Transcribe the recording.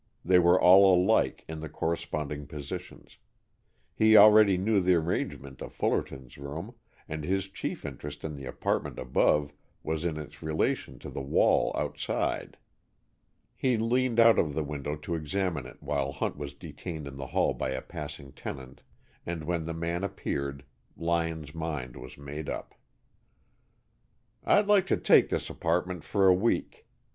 They were all alike, in the corresponding positions. He already knew the arrangement of Fullerton's room, and his chief interest in the apartment above was in its relation to the wall outside. He leaned out of the window to examine it while Hunt was detained in the hall by a passing tenant, and when the man appeared Lyon's mind was made up. "I'd like to take this apartment for a week.